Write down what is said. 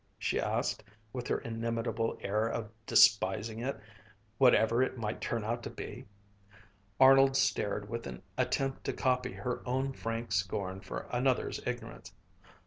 she asked, with her inimitable air of despising it, whatever it might turn out to be. Arnold stared with an attempt to copy her own frank scorn for another's ignorance.